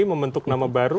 membentuk nama baru